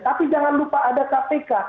tapi jangan lupa ada kpk